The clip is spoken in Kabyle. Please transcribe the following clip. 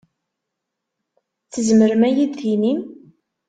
Tzemrem ad yi-d-tinim?